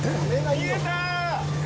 見えた！